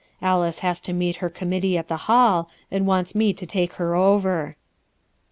Alice has to meet her committee at the hall, and wants me to take her over."